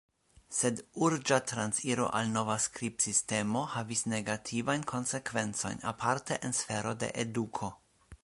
Sed urĝa transiro al nova skribsistemo havis negativajn konsekvencojn, aparte en sfero de eduko.